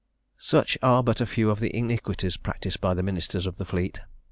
Such are but a few of the iniquities practised by the ministers of the Fleet.